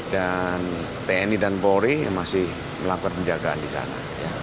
dan tni dan polri yang masih melakukan penjagaan di sana